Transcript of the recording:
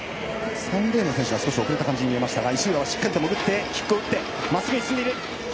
３レーンの選手が少しおくれた感じになりましたが石浦選手はしっかりキックを打ってまっすぐに進んでいる。